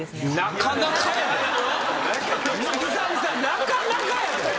なかなかやで。